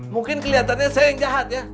mungkin kelihatannya saya yang jahat ya